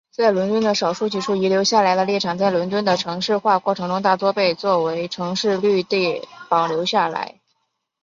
在伦敦的少数几处遗留下来的猎场在伦敦的城市化过程中大多被作为城市绿地保留下来。